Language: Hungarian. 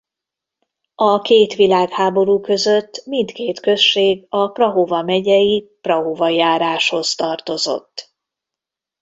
A két világháború között mindkét község a Prahova megyei Prahova járáshoz tartozott.